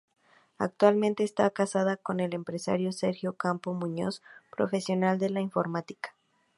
Actualmente esta casada con el empresario Sergio Ocampo Muñoz, profesional de la informática.